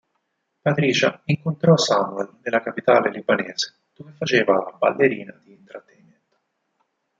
Patricia incontrò Samuel nella capitale libanese, dove faceva la ballerina di intrattenimento.